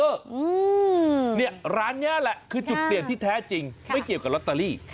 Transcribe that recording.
อืมเนี่ยร้านนี้แหละคือจุดเปลี่ยนที่แท้จริงไม่เกี่ยวกับลอตเตอรี่